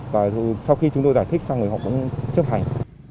và sau khi chúng tôi giải thích xong thì họ cũng chấp hành